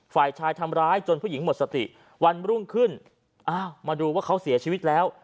ฝ่ายชายทำร้ายจนผู้หญิงหมดสติวันรุ่งขึ้นอ้าวมาดูว่าเขาเสียชีวิตแล้ว